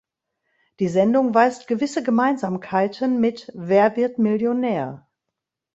Die Sendung weist gewisse Gemeinsamkeiten mit Wer wird Millionär?